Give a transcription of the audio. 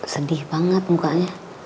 sedih banget mukanya